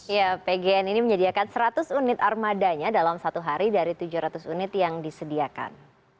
ya pgn ini menyediakan seratus unit armadanya dalam satu hari dari tujuh ratus unit yang disediakan